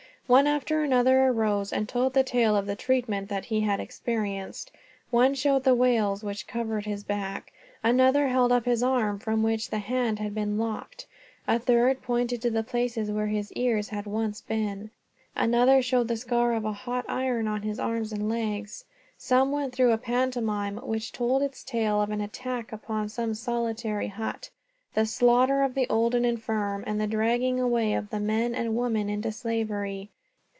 One after another arose and told the tale of the treatment that he had experienced. One showed the weals which covered his back. Another held up his arm, from which the hand had been lopped. A third pointed to the places where his ears once had been. Another showed the scar of a hot iron on his arms and legs. Some went through a pantomime, which told its tale of an attack upon some solitary hut, the slaughter of the old and infirm, and the dragging away of the men and women into slavery.